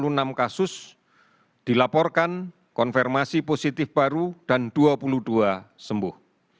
di selatan satu ratus enam puluh enam kasus dilaporkan konfirmasi positif baru dan dua puluh dua sembuh